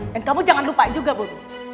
dan kamu jangan lupa juga bobi